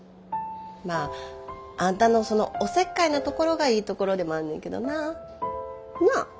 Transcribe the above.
まああんたのそのおせっかいなところがいいところでもあんねんけどな。なあ？